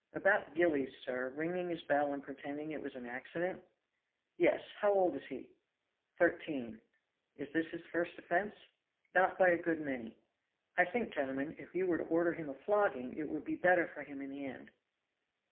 About Gillies, sir ringing his bell and pretending it was an accident?" "Yes! how old is he?" "Thirteen." "Is this his first offense?" "Not by a good many. I think, gentlemen, if you were to order him a flogging it would be better for him in the end."